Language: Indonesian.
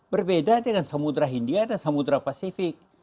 berbeda dengan samudera india dan samudera pasifik